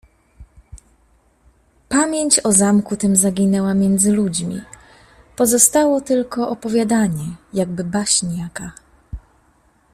"Pamięć o zamku tym zaginęła między ludźmi, pozostało tylko opowiadanie, jakby baśń jaka."